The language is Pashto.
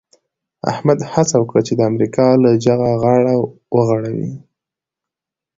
احمد هڅه وکړه چې د امریکا له جغه غاړه وغړوي.